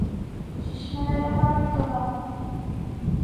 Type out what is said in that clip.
Шишмәләре бар бит уның...